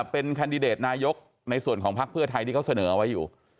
เป็นแคนดิเดตนายกในส่วนของพักเพื่อไทยที่เขาเสนอไว้อยู่